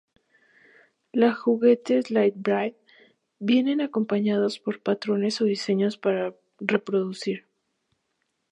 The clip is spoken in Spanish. La juguetes Lite-Brite vienen acompañados por patrones o diseños para reproducir.